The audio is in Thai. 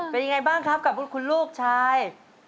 เป็นยังไงบ้างครับกับคุณลูกชาย